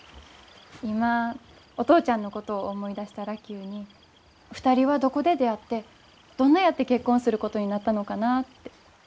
今お父ちゃんのことを思い出したら急に２人はどこで出会ってどんなやって結婚することになったのかなって。